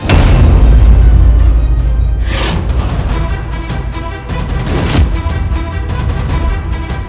hidup putra pancingearat